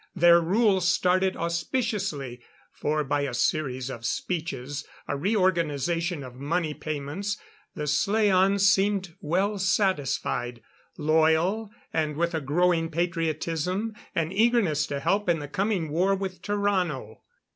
Their rule started auspiciously, for by a series of speeches a reorganization of money payments the slaans seemed well satisfied. Loyal, and with a growing patriotism, an eagerness to help in the coming war with Tarrano.